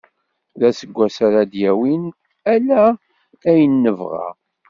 D aseggas ara aɣ-d-yawin ala ayen nebɣa.